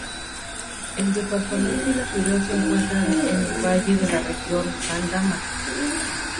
El departamento y la ciudad se encuentran en el Valle de la Región Bandama.